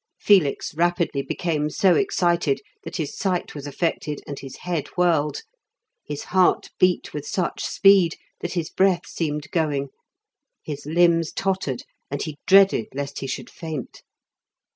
Felix rapidly became so excited that his sight was affected, and his head whirled. His heart beat with such speed that his breath seemed going. His limbs tottered, and he dreaded lest he should faint.